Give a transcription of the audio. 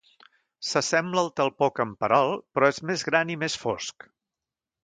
S'assembla al talpó camperol però és més gran i més fosc.